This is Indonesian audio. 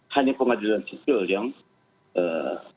hanya pengadilan sipil yang